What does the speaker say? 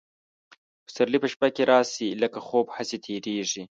پسرلي په شپه کي راسي لکه خوب هسي تیریږي